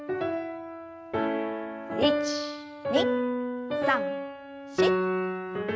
１２３４。